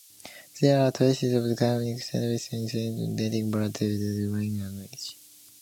There are traces of Camunnic settlements around Sellero, dating back to the Bronze Age.